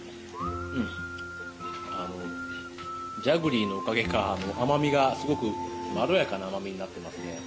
ジャグリーのおかげか甘みが、すごくまろやかな甘みになっていますね。